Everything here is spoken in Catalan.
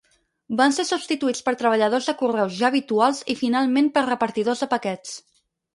Van ser substituïts per treballadors de correus ja habituals i finalment per repartidors de paquets.